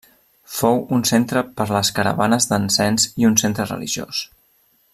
Fou un centre per les caravanes de l'encens i un centre religiós.